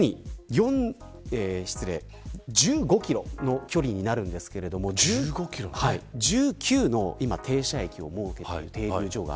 １５キロの距離になるんですが１９の停車駅を設けている。